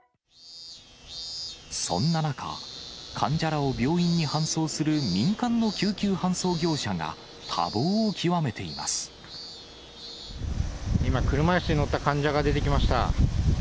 そんな中、患者らを病院に搬送する民間の救急搬送業者が、多忙を極めていま今、車いすに乗った患者が出てきました。